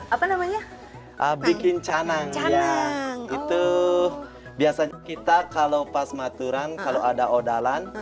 apa namanya bikin canang ya itu biasanya kita kalau pas maturan kalau ada odalan